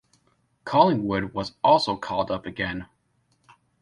Collingwood was also called up again.